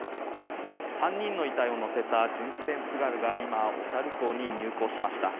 ３人の遺体を乗せた巡視船「つがる」が今、小樽港に入港しました。